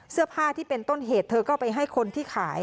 เสื้อผ้าที่เป็นต้นเหตุเธอก็ไปให้คนที่ขาย